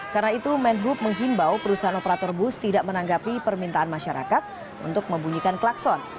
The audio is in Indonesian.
karena itu medhub menghimbau perusahaan operator bus tidak menanggapi permintaan masyarakat untuk membunyikan klakson